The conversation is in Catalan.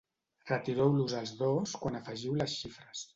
Retireu-los els dos quan afegiu les xifres.